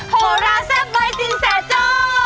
เพราะรักทรัพย์ไว้สิ้นแสโจ้